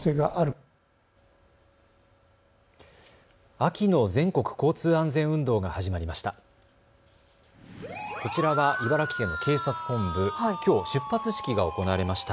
秋の全国交通安全運動が始まりました。